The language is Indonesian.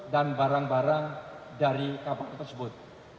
dan barang barang dari kapal tersebut